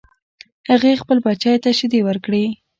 هغې خپل بچی ته شیدې ورکړې